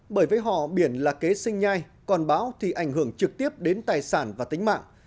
bởi với họ biển là kế sinh nhai còn bão thì ảnh hưởng trực tiếp đến tài sản và tính mạng